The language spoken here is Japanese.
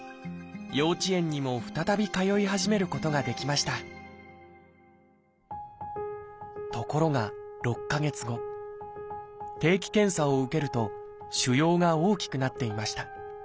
幼稚園にも再び通い始めることができましたところが６か月後定期検査を受けると腫瘍が大きくなっていました。